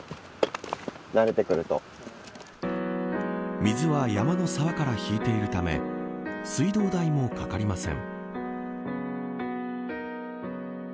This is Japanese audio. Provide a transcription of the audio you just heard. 水は山の沢から引いているため水道代もかかりません。